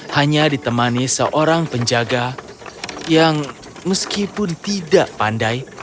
hanya ditemani seorang penjaga yang meskipun tidak pandai